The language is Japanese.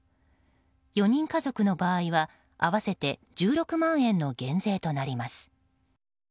４人家族の場合は、合わせて１６万円の減税となります。